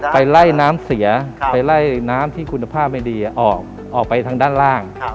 ไปไล่น้ำเสียไปไล่น้ำที่คุณภาพไม่ดีออกไปทางด้านล่าง